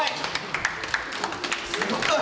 すごい！